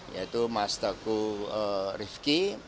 yaitu mas teguh rizky